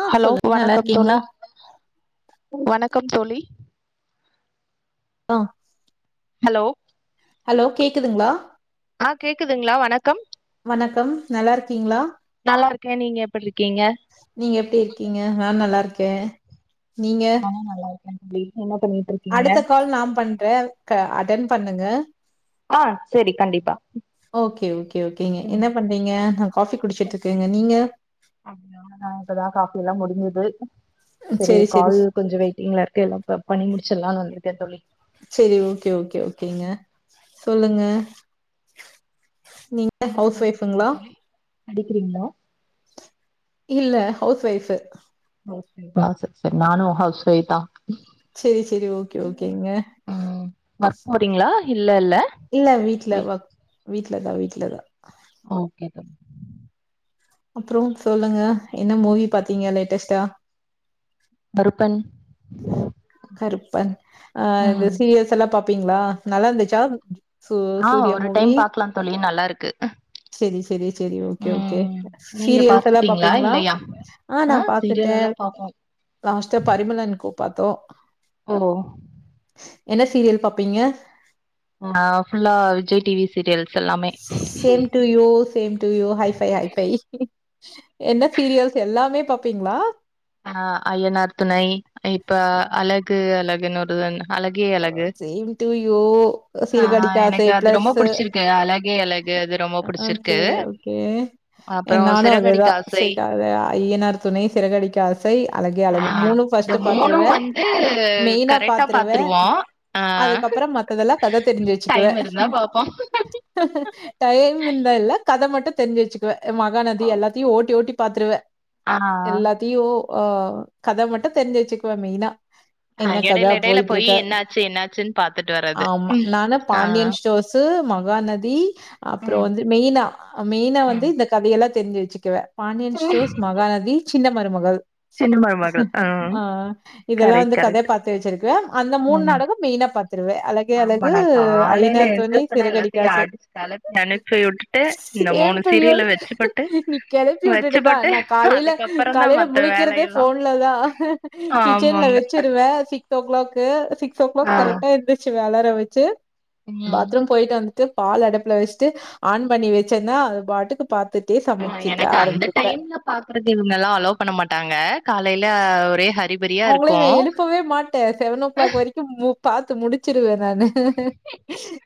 ஆ hello சொல்லு நல்லா வணக்கம் தோழி இருக்கீங்களா வணக்கம் தோழி அ ஹலோ ஹலோ கேக்குதுங்ளா ஆ கேக்குதுங்ளா வணக்கம் வணக்கம் நல்லா இருக்கீங்களா நல்லாருக்கே நீங்க எப்டி இருக்கீங்க நீங்க எப்டி இருக்கீங்க நா நல்லா இருக்கே நீங்க நானே நல்லா இருக்கேன் தோழி என்ன பண்ணிட்ருக்கீங்க அடுத்த கால் நாம் பண் ற க அட்டன் பண்ணுங்க அ செரி கண் டிப்பா ஓக்கே ஓக்கே ஓக்கேங்க என்ன பண்றீங்க நா காஃபி குடிச்சிட் இருக்கேங்க நீங்க அப்யா நா இப்பதா காஃபி எல்லா முடிஞ்சுது சரி சேரி சேரி கால் கொஞ்சொ வெய்ட்டிங்ல இருக்கு எல்லா ப பண்ணி முடிச்சிர்லான்னு வந்துர்க்கே தோழி செரி ஓக்கே ஓக்கே ஓக்கேங்க சொல்லுங்க நீங் என்ன ஹவுஸ் பண்ணிட்டு இருக்கீங்க ஒய்ஃபுங்களா தோழி படிக்கிறீங்களா இல்ல ஹவுஸ் ஒய்ஃபு ஓக்கேப்பாசு [unintelligible] நானு ஹவுஸ் ஒய்ப் தா சேரி சேரி ஓகே ஓகேங்க ம் ஒர்க் போறீங்களா இல்லல்ல இல்ல வீட்ல ஒக் வீட்லதா வீட்லதா ஓக்கே தோ அப்பற சொல்லுங்க என்ன மூவி பாத்தீங்க லேட்டஸ்ட்டா பருப்பன் கருப்பன் அ ந்த சீரியஸ் அல்லாம் பாப்பீங்களா நல்லாந்துச்சா அ ஒரு டைம் பாக்கலா தோழி நல்லாருக்கு ச்செரி ச்செரி ச்செரி ஓக்கே ஓக்கே நீங்க சீரியல்ஸ் எல்லாப் பாத்துட்டீங்களா பாப்பீங்ளா இல்லையா ஆ நா சீரியல் எல்லா பாத்துட்டேல் பாப்போ லாஸ்ட்அ பரிமள் ஆண் கோ பாத்தோ ஒ என்ன சீரியல் பப்பீங்க அ ஃபுல்லா விஜய் டிவி சீரியல்ஸ் எல்லாமே to you same to you hi ஃவை hi ஃவை என்ன சீரியல்ஸ் எல்லாமே பாப்பீங்களா அ அய்யனார் துணை இப்ப அழகு அழகுன்னு ஒருது என்ன அழகே அழகு சேம் டூ யூ, அ சிறுகடிக்க ஆசை, எனக்கு அது ரொம்ப பிளஸ் புடிச்சிருக் கு அழகே அழகு அது ரொம்ப புடிச்சிருக்கு கே அப்புறோ என் நாலூ அதேதா சிறகடிக்க ஆசை சிக்கதயா ஆயி ஐயனார் துணை சிறகடிக்க ஆஸ் சை அழகே ஆ அழகு மூணு இந்த ஃபஸ்ட் மூணு பாத்துருவ வந்து மெயினா கரெக்டா பாத்துருவ பாத்துருவோ ஆ அதுக்கப்பறம் மத்ததெல்லா கத தெரிஞ்சு வச்சுக்குவ டைம் இருந்தா பாப்போ டைம் இந்த இல்ல கத மட்டு தெர்ஞ்சு வெச்சு சுவ மகாநதி எல்லாத்தியு ஓட்டி ஓட்டி பாத்துருவெ ஆ எல்லாத் தியு அ கத மட்டு தெரிஞ்சு வச்சுக்குவ மெய்னா என்ன கத பொய்ட்டுருக்க ச்சி என்னாச்சுன் பாத்துட்டு வர்ரது ஆ சூ மகாநதி அப்பற ம் வந்து மெய்னா மெய்னா வந்து ம் இந்த கதையெல்லா தெரிஞ்சு வச்சுக்குவெ பாண்டியன் ஸ்டோஸ் மகாநதி சின்ன மருமகள் சின்ன மருமகள் ம் அ ஆ இதெல்லா கரெக்ட் வந்து கத கரெக்ட் பாத்து வச்சிருக்க அந்த மூண் ம் நாடக மெய்ன்ன பாத்துருவே அல கே ஆமா அழகு நா காலையில ஐநார் தோணி எந்திரிச்சோனே சிறகடிக்க எல்லாத்தையு ஆச அடிச்சு கெளப்பி அனுப்பி விட்டுட்டு இந்த சேம் மூணு டு யூ சீரியல வச்சுப்பட்டு நீ கெளப்பி வுட்டுட்டுதா வச்சுப்பட்டு நா காலைல அதுக்கப்புறந்தா காலைல மத்த முளிக்கிறதே வேலையெல்லா ஃபோன்ல தா கிச்சன்ல ஆமாங்க வெச்சிருவே சிக் ஃபோர் கிளாக்கு சிகஸ் ஓ ஆ கிளாக் கரெக்டா எந்திரிச்சுர்வே அலாரோ வெச்சு ம் பாத்ரூம் போயிட்டு வன்ட்டு பால் அடுப்புல வச்சுட்டு ஆன் பண்ணி வச்சேன்னா அது பாட்டுக்கு பாத்துட்டே சமைச்சுட்டு ஆரம்பிப்பே பாக்கறத இவங்கலா அலோ பண்ண மாட்டாங்க காலையில ஒரே ஹரிப் அவங்களே நா எழுப்பவே மாட்டே செவன் ஓ கிளாக் வரைக்கியு மு பாத்து முடிச் வச்சருவே நானு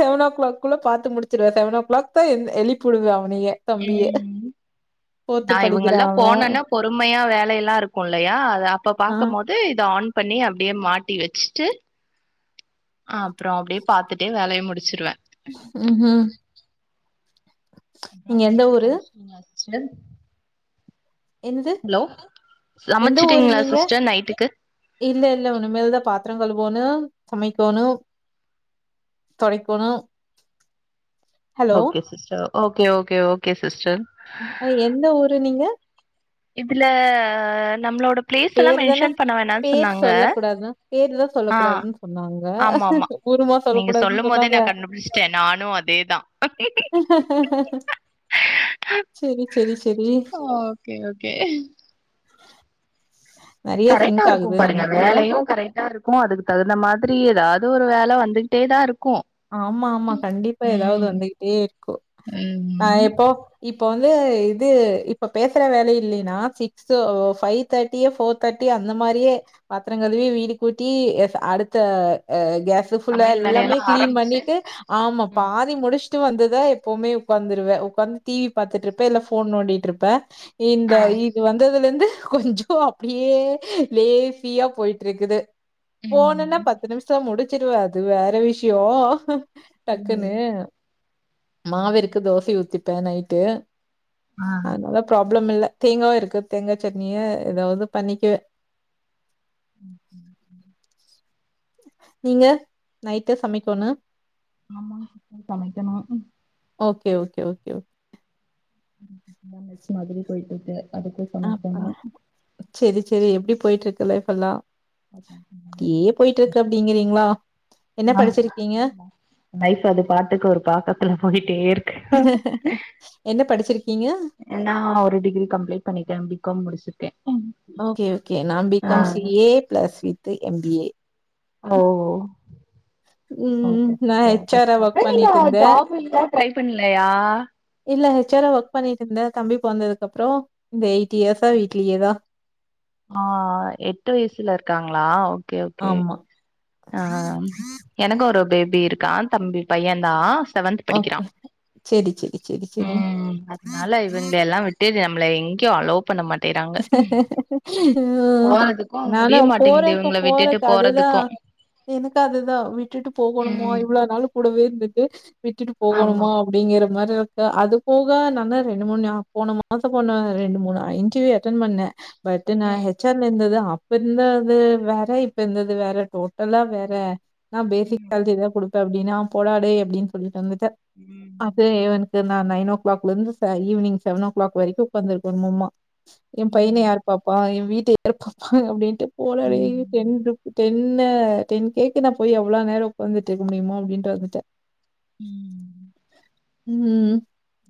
செவன் ஓ கிளாக் குள்ள பாத்து முடிச்சுடுவே செவன் ஓ கிளாக் தா எந் எழிப்புடுவே அவனேயே ம் நா இவங்கெல்லா படிக்கிறான் அவன். போனோன்னா பொறுமையா வேலையெல்லா இருக்குல்லையா அது அப்ப ஆ. பாக்கம் போது து இத ஆன் பண்ணி அப்டியே மாட்டி வெச்சுட்டு அப்புறோ அப்டியே பாத்துட்டே வேலையே முடிச்சிருவே ம் ஹும் அப்றோ எந்த நைட்டு ஊரு? சமைச்சிட்டீங்களா சிஸ்டர் என்னது? ஹலோ எந்த ஊரு சமைச்சட்டீங்களா நீங்க? சிஸ்டர் நைட்டுக்கு இல்ல இல்ல உன்னுமேல தா பாத்திரோ கழுவோணு சமைக்கணு தொடைக்கணு okay sister okay okay okay sister அ எந்த ஊரு நீங்க இதுல ஆ நம்மளோட பிளேஸ் எல்லா பேரு தான மென்ஷன் பண்ண வேணான்னு பேர் சொன்னாங்க சொல்ல கூடாதுன் பேரு தா சொல்ல ஆ கூடாதுன் சொன்னாங்க ஆமா ஆமா ஊருமா நீங்க சொல்லக்கூடாதுன்னு சொல்லும் போதே சொன்னாங்க நா கண்டுபிடிச்சிட்டே நானு அதேதா செரி செரி செரி ஓகே ஓகே நெறைய சிங்க் கரெக்டாருக்கும் ஆகுது பாருங்க நமக்குள்ள. வேலையு கரெக்டாருக் இருக்கு அதுக்கு தகுந்த மாதிரி ஏதாவது ஒரு வேல வந்துகிட்டே தா ருக்கு ஆமாமா கண்டிப்பா ஏதாவது வந்துகிட்டே இருக்கு நா ம் எப்போ இப்போ வந்து இது இப்போ பேசுற வேலை இல்லின்னா சிக்ஸோ ஃபைவ் தேர்ட்டியே ஃபோர் தேர்டியே அந்த மாரியே பாத்தர கழுவி வீடு கூட்டி எஃப் அடுத்த அ கேஸ் ஃபுல்லா சமையல் எல்லாமே வேலையெல்லாம் கிளீன் ஆரம்பிச்சு பண்ணிட்டு ஆமா ம் பாதி முடிச்சுட்டு வந்துதா எப்பவுமே உக்காந்துருவே உக்காந்து டிவி பாத்துட்டுருப்பே இல்ல ஃபோன் நோண்டிட்டுருப் ப்ப இந்த ஆ இது வந்ததுலேந்து கொஞ்சோ அப்புடியே லேசியா போயிட்டுருக்குது போனுன்னா ம் பத்து நிமிஷோ முடிச்சிருவே அது வேற விஷ்யோ டக்குன்னு ம் மாவுயிருக்கு தோசை ஊத்திப்பே நைட்டு ஆ அதனால்ல ப்ராப்ளமில்ல தேங்காயு இருக்கு தேங்காய் சட்னியே ஏதாவது பண்ணிக்குவே ம் ம் நீங்க நைட்டு சமைக்கணு ஆமாங் சிஸ்டர் சமைக்கணு ம் ஓகே ஓகே ஓகே ஓக் [inaudible] மாதிரி போயிட்டுருக்கு அதுக்கு அப்பா சமைக்கணு செரி செரி எப்பிடி போயிட்டுருக்கு லைஃபெல்லா அப்டியே போயிட்டுருக்கு அப்டிங்கிறீங்களா என்ன ஆ படிச்சிருக்கீங்க லைஃப் அது பாட்டுக்கு ஒரு பாக்கத்துல போயிட்டேருக் என்ன படிச்சிருக்கீங்க நா ஒரு டிகிரி கம்ப்ளீட் பண்ணிட்டே பி காம் முடிச்சிட்டே ஓகே ஓகே நான் B com C A plus with M B A ஓஓ ம் நா ஹெச் ஆரா ஒர்க் நீங்க பண்ணிட்ருந்தே ஜாப் இப்போ ட்ரை பண்லயா இல்ல ஹெச் ஆரா ஒர்க் பண்ணிட்டு இருந்தே தம்பி பொந்ததுக்கு அப்றோ இந்த எயிட் இயர்ஸா வீட்லயேதா ஆ எட்டு வயசுல இருக்காங்களா ஓகே ஓகே ஆமா. ஆ எனக்கு ஒரு பேபி இருக்கா தம்பி பைய தா செவன்த் படிக்கிறா ஓகே. சரி, சரி, சரி, சரி. ம் அதனால இவங்கள எல்லா விட்டு நம்ள எங்கயோ அலோ பண்ண மாட்டேறாங்க ம். ஓ அதுக்கு முடிய நானும் மாட்டேங்குதே போறக்கு அவங்கள விட்டுட்டு போறக்கு அதுதான் போறதுக்கு எனக்கு அதுதா விட்டுட்டு போகணுமோ ம் இவ்ளோ நாள் கூடவே இருந்துட்டு விட்டுட்டு ஆமா போகணுமா அப்படிங்குற மாரி இருக்கு அது போக நன்னா ரெண்டு மூணு போன மாசோ போன ரெண்டு மூணு இன்டர்வியூ அட்டன் பண்ணே பட் நா ம் ஹெச் ஆர்ல இருந்துதா இப்ப இருந்தது வேற இப்ப இருந்தது வேற டோட்டலா வேற நா பேசிக் சால்ரி தா குடு ப்பே அப்டின்னா நா போடா டே அப்டின்னு சொல்லிட்டு வந்துட்டே ம் அப்பவே இவனுக் இது நா நைன் ஓ கிளாக்ல இருந்து ச ஈவினிங் செவன் ஓ கிளாக் வரைக்கு உகாந்து இருக்கனுமாமா எ பையன ம் யார் பாப்பா எ வீட்ட யார் பாப்பா அப்படின்ட்டு போடா டே ம் டென்ருக்கு டென்ன டென் கேக்கு நா போய் எவ்ளோ நேர உக்காந்துட்டு இருக்க முடியுமோ அப்படின்ட்டு வந்துட்டே ம் ம்ம்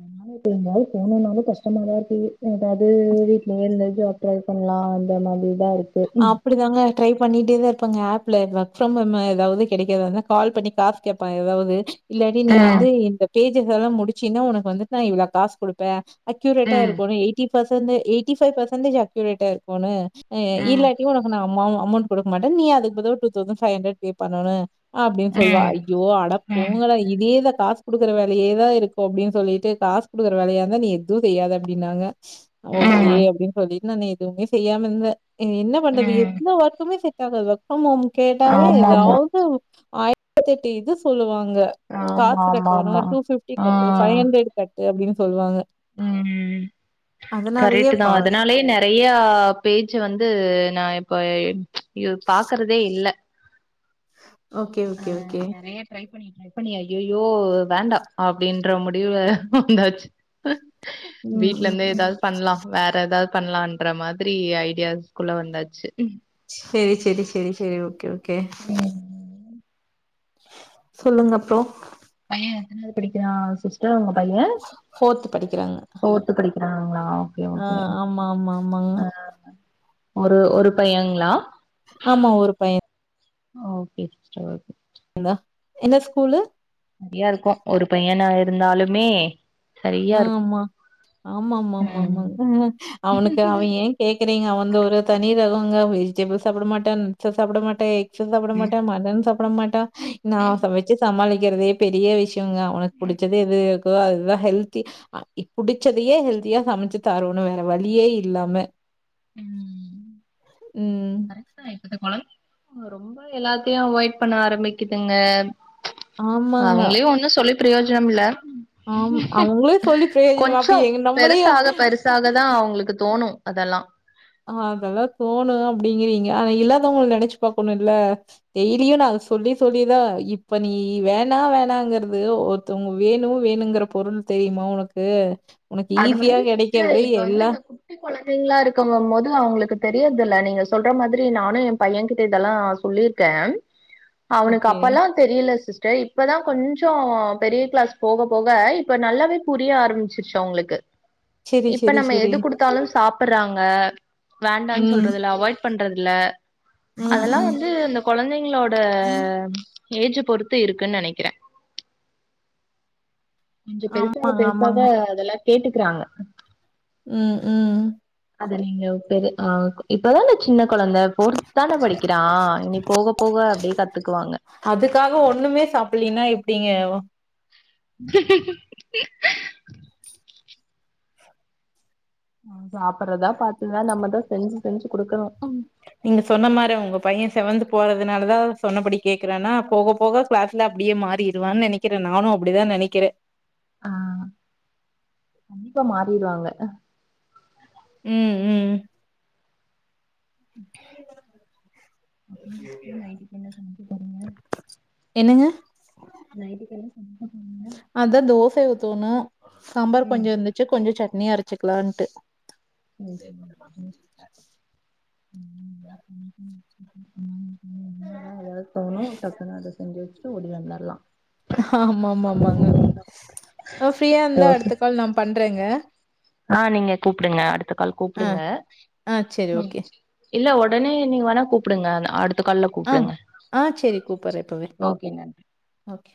டென் அவர் இப்ப எங்கயாது போனுனாலு கஷ்டமாதா இருக்கு ஏதாது வீட்லயே இருந்து ஜாப் ட்ரை பண்லா அந்த மாதிதா இருக் அப் ப்டி தாங்க ட்ரை பண்ணிட்டே தா இருப்பேங்க ஆப்ல ஒர்க் ஃப்ரம் ஹோமு ஏதாவ்து கெடைக்குதான்தா கால் பண்ணி கா கேப்பே ஏதாவது இல்லாடி நீ சொல்லுங்க. வந்து இந்த பேஜஸ் எல்லா முடிச்சின்ன்னா உனக்கு வந்துட்டு நா இவ்ளோ காசு குடுப்பே அக்யூரேட்டா ம் இருக்கோணு எயிட்டி பெர்சன்டே எயிட்டி ஃபைவ் பெர்சன்டேஜ் அக்யூரேட்டா இருக்கோணு அ ம் இல்லாட்டி உனக் நா அமெள அமௌண்ட் குடுக்க மாட்டே நீ அதுக் பதிலா two thousand five hundred pay பண்ணனு அப்படின் சொல்லுவா ஐயோ ம் அடப்போங்கடா இதேதா காசு குடுக்குற வேலையேதா இருக்கு அப்படின் சொல்லிட்டு காசு குடுக்குற வேலையாந்தா நீ எதுவு செய்யாத அப்டின்னாங்க ஓகே ம் அப்டின் சொல்லிட்டு நான் எதுவுமே செய்யாம இருந்தே இனி என்ன பண்றது ம் ம் எந்த ஒர்க்குமே செட் ஆகாது ஒர்க் ஃப்ரம் ஹோம் கேட்டாவே ஆமாமா ஏதாது ஆயி ரத்து எட்டு இது சொல்லுவாங்க காசு கட்டோணு ஆமாமாமா டூ பிப்டி ஆ கட்டு ஃபைவ் ஹண்ட்ரட் கட்டு அப்டின்னு சொல்லுவாங்க ம்ம் அதனாலயே கரெட்டு தா பா அதனாலயே நெ றையா பேஜ் வந்து நா இப்ப இது பாக்குறதே இல்ல ஓகே ஓகே ஓகே நெறயா ட்ரை பண்ணி ட்ரை பண்ணி ஐயயோ வேண்டா அப்படின்ற முடிவுல வந்தாச்சு ம், வீட்ல ம். இருந்தே ஏதாது பண்லா வேற ஏதாது பண்லான்ற மாதிரி ஐடியாஸ்குள்ள வந்தாச்சு செரி செரி செரி செரி ஓகே ஓகே சொல்லுங்க அப்றோ பைய எத்தனாது படிக்கிறா சிஸ்டர் உங்க பைய படிக்கிறாங்க. போர்த்து படிக்கிறாங்களா ஓகே ஆ ஓகே ஆமா, ஆமா, ஆமாங்க. அ ஒரு ஒரு பையங்ளா ஆமா ஒரு பையன் ஓகே சிஸ்டர் ஓகே ந்தா என்ன ஸ்கூலு நெறையா இருக்கு ஒரு பையனா இருந்தாலுமே சரியா இருக்கு ஆமா ஆமாமாமாமா ம் அவனுக்கு அவ ஏங் கேக்கறீங்க வந்து ஒரு தனி ரகோங்க வெஜிடபிள் சாப்ட மாட்டான் நட்ஸ்ஸ சாப்ட மாட்டே ஸு சாப்பட மாட்ட மட்டா சாப்ட மாட்டா நா ஸ வெச்சு சமாளிக்கிறதே பெரிய விஷயங்க அவனுக் புடிச்சது எது இருக்கோ அதுதா ஹெல்த் தி ஆ இ புடிச்சதையே ஹெல்தியா சமைச்சு தரோணோ வேற வழியே இல்லாம ம் ம் ரொம்ப எல்லாத்தியு அவாய்ட் பண்ண ஆரம்பிக்குதுங்க ஆமாங்க. அவங்களையு ஒன்னு சொல்லி பிரயோஜனம் இல்ல ஆம். அவங்களே சொல்லி பிரயோஜனம். கொஞ்சோ அப்ப எங்க நம்மளையும் பெருசாக பெருசாக தா அவங்களுக்கு தோணு அதல்லா அதல்லா தோணு அப்டிங்கிறீங்க ஆனா இல்லாதவங்கள நெனச்சு பாக்கணு இல்ல டெய்லியு நா சொல்லி சொல்லிதா இப்ப நீ வேணா வேணாங்கிறது ஒர் தவங்க வேணு வேணுங்கிற பொருள் தெரியுமா உனக்கு உனக்கு ஈஸியா கெடைக்கிறது எல்லா கொழந்தைங்களா இருக்கங்க போது அவங்களுக்கு தெரியதுல்ல நீங்க சொல்ற மாதிரி நானு என் பையகிட்ட இதெல்லா சொல்லிருக்கே அவனுக்கு ஓகே அப்பல்லா தெரியல சிஸ்டர் இப்பதா கொஞ்சோ பெரிய கிளாஸ் போக போக இப்ப நல்லாவே புரிய ஆரம்பிச்சிருச்சி அவ்ங்ளுக் கு செரி இப்ப செரி நம்ம செரி எது குடுத்தாலு சாப்பற்றாங்க வேண்டான்னு ம் சொல்றதில்ல அவாய்ட் பண்றதில்ல ம் அதெல்லா ம் வந்து அந்த கொழந்தைங்ளோட ஏஜ்ஜ பொறுத்து இருக்குன்னு நெனைக்கிறே கொஞ்சோ பெருசாக ஆமாங்க ஆமாங்க பெருசாக அதெல்லா கேட்டுக்றாங்க ம் ம் அத நீங்க பெரிய ஆ கொ இப்பதான இந்த சின்ன கொழந்த போர்த் தானே படிக்கிறா இனி போக போக அப்டியே கத்துக்குவாங்க அதுக்காக ஒண்ணுமே சாப்பலீனா எப்டிங்க [inaudible] சாப்பறதா பாத்துதா நம்மதா செஞ்சி செஞ்சி குடுக்கணோ நீங்க சொன்ன மாரி உங்க பைய செவன்த் போறதுனாலதா சொன்னபடி கேக்குறேனா போக போக கிளாஸ் இல்ல அப்டியே மாறிடுவான்னு நெனைக்கிறே நானு அப்டிதா நெனைக்கிறே ஆ கண்டிப்பா மாறிடுவாங்க ம் ம் [inaudible] அப்ரோ நைட்டுக்கு என்ன சமைக்க போறீங்க என்னங்க நைட்டுக்கு என்ன சமைக்க போறீங்க அத்தா தோசை ஊத்தோணு சாம்பார் கொஞ்சோ இருந்துச்சி கொஞ்சோ சட்னி அரைச்சிக்கலான்ட்டு ஓகேங்க தோழி [inaudible] ம் நின்னாதா ஏதாவது தோணு டக்கு அத செஞ்சு வெச்சுட்டு ஓடி வந்தற்லா ஆமாமாமாங்க ஆ ஃப்ரீயா இருந்தா அடுத்த கால் நா பண்றேங்க ஆ நீங்க கூப்டுங்க அடுத்த கால் ஆ, கூப்டுங்க ஆ சரி ஓகே. இல்ல ஒடனே நீங்க வேணா கூப்புடுங்க அன அடுத் ஆ ஆ சேரி கூப்பற இப்பவே ஓகே நன்றி ஓகே.